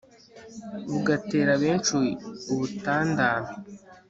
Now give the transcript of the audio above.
bugatera benshi ubutandame